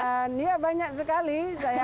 dan ya banyak sekali